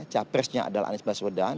capresnya adalah anis baswedan